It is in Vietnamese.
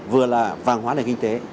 vừa là vàng hóa nền kinh tế